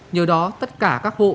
nhờ đó tất cả các hộ